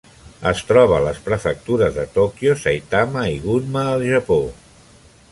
Es troba a les prefectures de Tòquio, Saitama i Gunma al Japó.